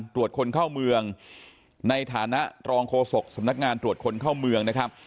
ตรวจคนเข้าเมืองในฐานะรองโฆษกสำนักงานตรวจคนเข้าเมืองนะครับ